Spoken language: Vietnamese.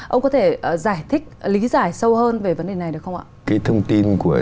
ông có thể giải thích lý giải sâu hơn về vấn đề này được không ạ